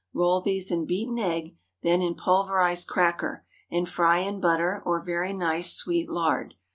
Roll these in beaten egg, then in pulverized cracker, and fry in butter or very nice sweet lard.